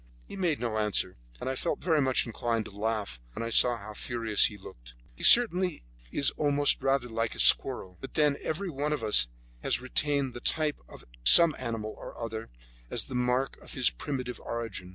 He made no answer, and I felt very much inclined to laugh when I saw how furious he looked. He is certainly always rather like a squirrel, but then every one of us has retained the type of some animal or other as the mark of his primitive origin.